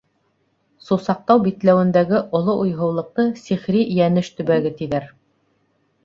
Сусаҡтау битләүендәге оло уйһыулыҡты сихри Йәнеш төбәге тиҙәр.